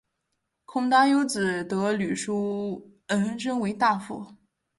孔达有子得闾叔榖仍为大夫。